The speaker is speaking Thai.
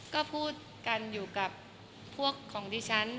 ก็พูดกันอยู่กับพวกของดิฉัน